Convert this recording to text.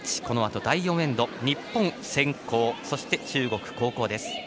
このあと第４エンドは日本、先攻そして中国、後攻です。